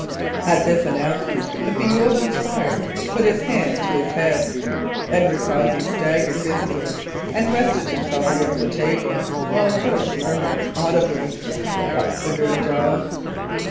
At this announcement the bewildered Squire put his hand to his head. Edward Cossey staggered visibly and rested himself against the table, while George murmured audibly, "That's a good job."